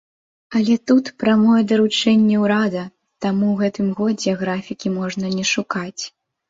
Але тут прамое даручэнне урада, таму ў гэтым годзе графікі можна не шукаць.